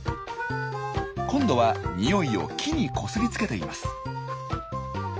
今度は臭いを木にこすりつけています。